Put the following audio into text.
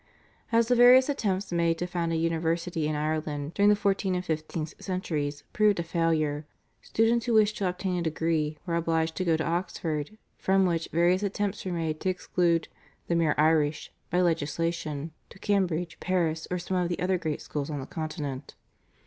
As the various attempts made to found a university in Ireland during the fourteen and fifteenth centuries proved a failure, students who wished to obtain a degree were obliged to go to Oxford, from which various attempts were made to exclude "the mere Irish" by legislation, to Cambridge, Paris, or some of the other great schools on the Continent.